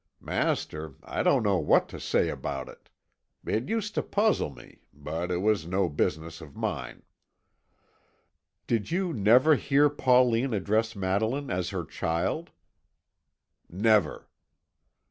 Master, I don't know what to say about it; it used to puzzle me; but it was no business of mine." "Did you never hear Pauline address Madeline as her child?" "Never."